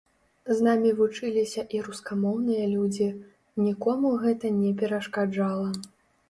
З намі вучыліся і рускамоўныя людзі, нікому гэта не перашкаджала.